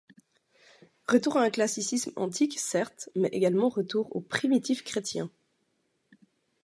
Retour à un classicisme antique, certes, mais également retour aux primitifs chrétiens.